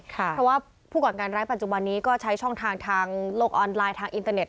เพราะว่าผู้ก่อการร้ายปัจจุบันนี้ก็ใช้ช่องทางทางโลกออนไลน์ทางอินเตอร์เน็